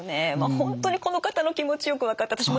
本当にこの方の気持ちよく分かって。